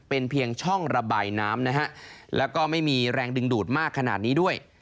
เป็นเพียงช่องระบายน้ำนะฮะแล้วก็ไม่มีแรงดึงดูดมากขนาดนี้ด้วย